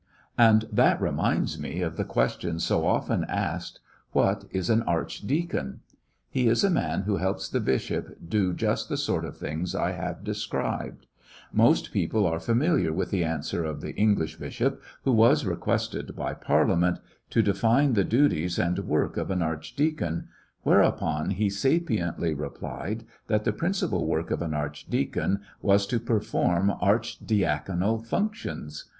And that reminds me of the question so often asked. What is an archdeacon! He is a man who helps the bishop do just the sort of things I have described. Most people are familiar with the answer of the English bishop who was requested by Parliament to 78 lyiissionarY in tP^ Great West define the duties and work of an archdeacon^ whereupon he sapiently replied that the principal work of an archdeacon was to per form archidiaconal functions.